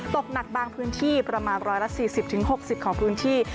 ตกหนักบางพื้นที่ประมาณร้อยละสี่สิบถึงหกสิบของพื้นที่